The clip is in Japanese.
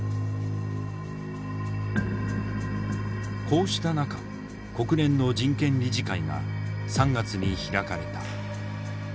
こうした中国連の人権理事会が３月に開かれた。